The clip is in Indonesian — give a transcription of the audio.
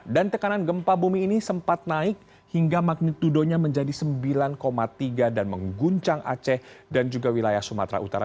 dan tekanan gempa bumi ini sempat naik hingga magnitudonya menjadi sembilan tiga dan mengguncang aceh dan juga wilayah sumatera utara